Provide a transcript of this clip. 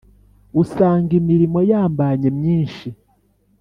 usanga imirimo yambanye myinshi,